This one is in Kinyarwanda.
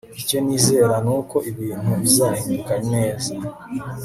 Icyo nizera nuko ibintu bizahinduka neza